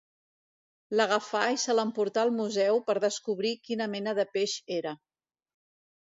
L'agafà i se l'emportà al museu per descobrir quina mena de peix era.